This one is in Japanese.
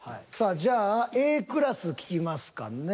じゃあＡクラス聞きますかね。